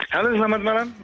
halo selamat malam